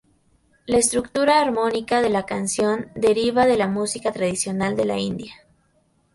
La estructura armónica de la canción deriva de la música tradicional de la India.